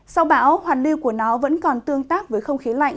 sau bão hoàn lưu của nó vẫn còn tương tác với không khí lạnh